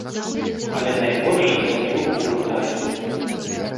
Але найбольш сяджу ў гультайстве.